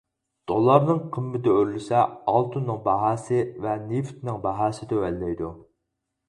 دوللارنىڭ قىممىتى ئۆرلىسە ئالتۇننىڭ باھاسى ۋە نېفىتنىڭ باھاسى تۆۋەنلەيدۇ.